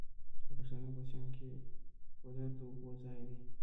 د پښتنو په سیمو کې ګودر د اوبو ځای دی.